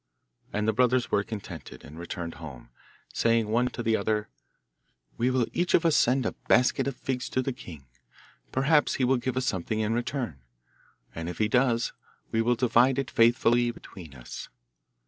And the brothers were contented, and returned home, saying one to the other, 'We will each of us send a basket of figs to the king. Perhaps he will give us something in return, and if he does we will divide it faithfully between us.